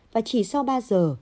và chỉ sau ba giờ